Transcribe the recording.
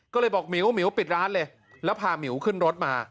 ก็เลยบอกหมิวหมิวปิดร้านเลยแล้วพาหมิวขึ้นรถมา